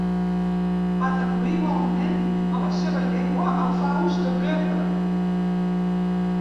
Va traduir igualment a la seva llengua el Faust de Goethe.